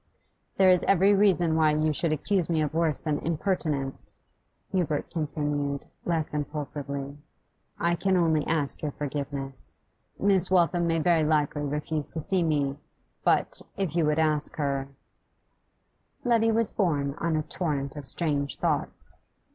'There is every reason why you should accuse me of worse than impertinence,' Hubert continued, less impulsively. 'I can only ask your forgiveness. Miss Waltham may very likely refuse to see me, but, if you would ask her ' Letty was borne on a torrent of strange thoughts.